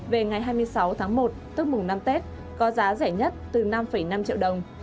về ngày hai mươi sáu tháng một tức mùng năm tết có giá rẻ nhất từ năm năm triệu đồng